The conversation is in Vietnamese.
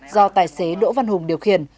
do tài xế đỗ văn hùng điều khiển